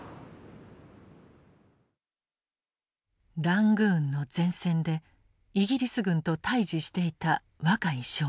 ラングーンの前線でイギリス軍と対じしていた若井少尉。